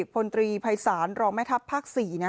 พลตรีภัยศาลรองแม่ทัพภาค๔